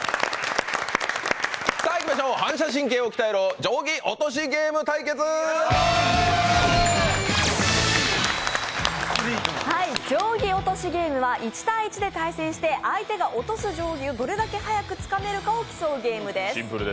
定規落としゲームは１対１で対戦して相手が落とす定規をどれだけ早くつかめるかを競うゲームです。